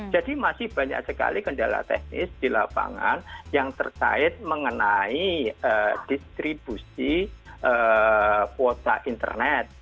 jadi masih banyak sekali kendala teknis di lapangan yang terkait mengenai distribusi kuota internet